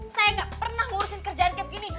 saya ga pernah ngurusin kerjaan kayak begini